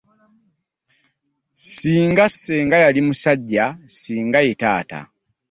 Singa senga yali musajja singa ye taata.